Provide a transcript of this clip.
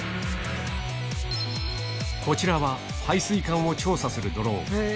こちらは排水管を調査するドローン。